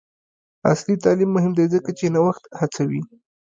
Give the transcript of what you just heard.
عصري تعلیم مهم دی ځکه چې نوښت هڅوي.